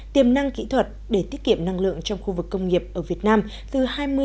tiềm năng kỹ thuật để tiết kiệm năng lượng trong khu vực công nghiệp ở việt nam từ hai mươi năm mươi